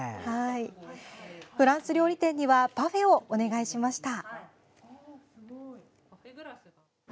フランス料理店にはパフェをお願いしました。